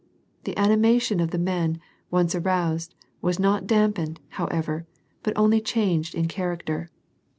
The animation of the men, once aroused, was not damp ened, however, but only changed in character.